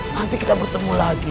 nanti kita bertemu lagi